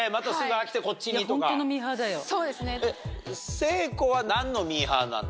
誠子は何のミーハーなの？